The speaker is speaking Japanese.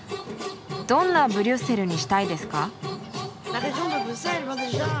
どんなブリュッセルにしたいですか？